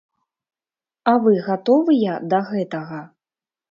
А вы гатовыя да гэтага?